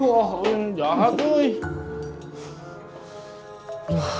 wah jahat wih